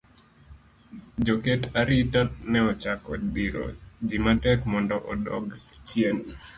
Jo ket arita ne ochako dhiro ji matek mondo odog chien.